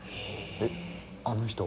えっあの人？